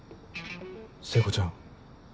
聖子ちゃん。